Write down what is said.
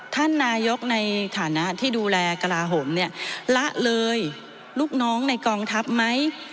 ท่านนายกในฐานะที่ดูแลกระลาโหมเนี่ยละเลยลูกน้องในกองทัพไหม